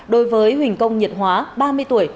đối với huỳnh công nhiệt hóa ba mươi tuổi